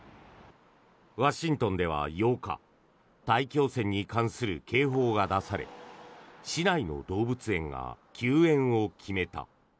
ワシントンでは８日大気汚染に関する警報が出され市内の動物園が休園を決めた。